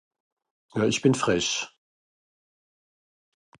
jà esch bìn fresch